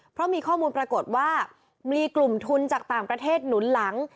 เพราะมีข้อมูลปรากฏว่ามีกลุ่มทุนจากต่างประเทศหนุนหลัง